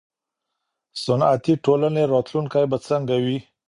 صنعتي ټولنې راتلونکی به څنګه وي.